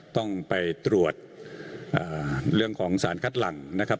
ต้องไปตรวจเรื่องของสารคัดหลังนะครับ